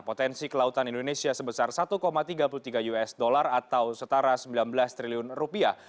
potensi kelautan indonesia sebesar satu tiga puluh tiga usd atau setara sembilan belas triliun rupiah